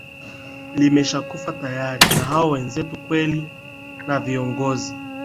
limesha kufa tayari na hao wenzetu kweli na viongozi